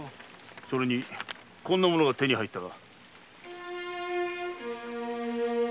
それにこんなものが手に入ったが。